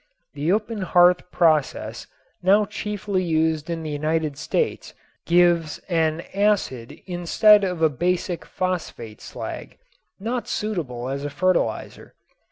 The open hearth process now chiefly used in the United States gives an acid instead of a basic phosphate slag, not suitable as a fertilizer.